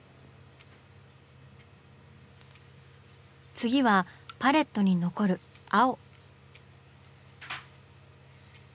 次はパレットに残る青。